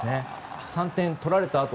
３点取られたあと